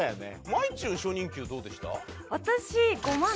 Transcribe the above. まいちゅん初任給どうでした？